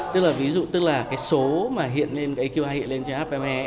tức là ví dụ tức là cái số mà hiện lên aqi hiện lên trên app mobile app